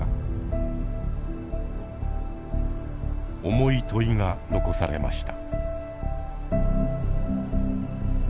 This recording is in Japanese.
重い問いが残されました。